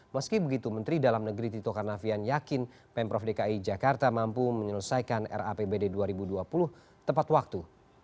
meski begitu menteri dalam negeri tito karnavian yakin pemprov dki jakarta mampu menyelesaikan rapbd dua ribu dua puluh tepat waktu